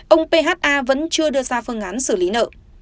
ông phha vẫn chưa đưa ra phương án xử lý nợ